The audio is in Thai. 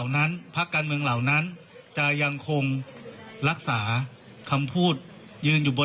นั้นพักการเมืองเหล่านั้นจะยังคงรักษาคำพูดยืนอยู่บน